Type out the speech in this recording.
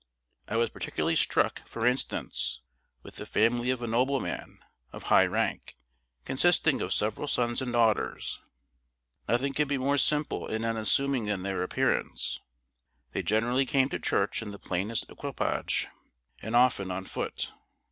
I was particularly struck, for instance, with the family of a nobleman of high rank, consisting of several sons and daughters. Nothing could be more simple and unassuming than their appearance. They generally came to church in the plainest equipage, and often on foot.